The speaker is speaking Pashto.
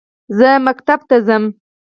زہ ښوونځي ته ځم